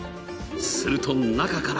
すると中から。